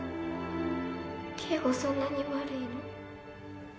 そんなに悪いの？